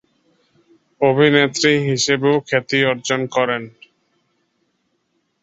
অভিনেত্রী হিসেবেও খ্যাতি অর্জন করেন।